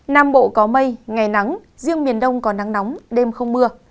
nam bộ có mây ngày nắng riêng miền đông có nắng nóng đêm không mưa